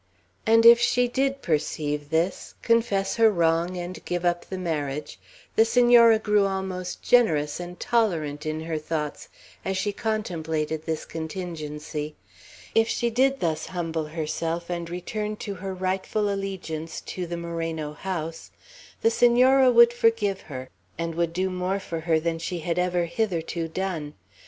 And if she did perceive this, confess her wrong, and give up the marriage, the Senora grew almost generous and tolerant in her thoughts as she contemplated this contingency, if she did thus humble herself and return to her rightful allegiance to the Moreno house, the Senora would forgive her, and would do more for her than she had ever hitherto done.